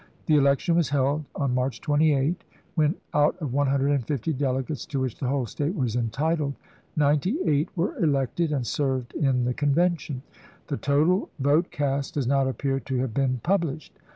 The elec tion was held on March 28, when, out of 150 dele gates to which the whole State was entitled, ninety eight were elected and served in the Convention. The total vote cast does not appear to have been published.